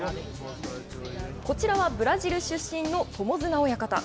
こちらはブラジル出身の友綱親方。